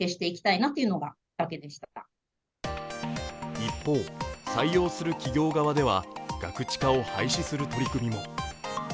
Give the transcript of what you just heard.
一方、採用する企業側ではガクチカを廃止する取り組みも。